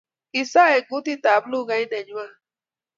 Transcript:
Kisa en kotut ab lukait ne nywan